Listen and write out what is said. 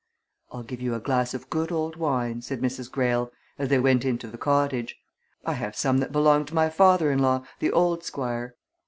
"I'll give you a glass of good old wine," said Mrs. Greyle as they went into the cottage. "I have some that belonged to my father in law, the old Squire.